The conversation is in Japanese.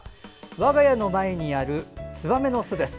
我が家の前にあるつばめの巣です。